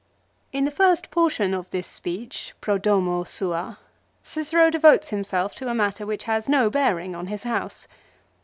In the first portion of this speech, " Pro Domo Sua," Cicero devotes himself to a matter which has no bearing on his house.